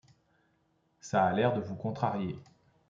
Ça a l'air de vous contrarier ?